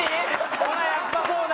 ほらやっぱそうだ！